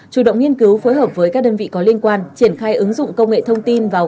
chủ động nghiên cứu phối hợp với các đơn vị có liên quan triển khai ứng dụng công nghệ thông tin vào